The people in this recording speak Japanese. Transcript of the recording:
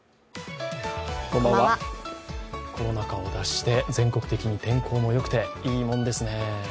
コロナ禍を脱して、全国的に天候も良くて、いいものですね。